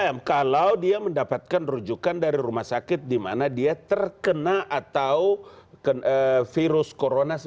iya kalau dia mendapatkan rujukan dari rumah sakit di mana dia terkena atau virus corona sembilan belas